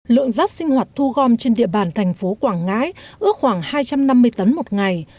lượng rác sinh hoạt thu gom trên địa bàn thành phố quảng ngãi ước khoảng hai trăm năm mươi tấn một ngày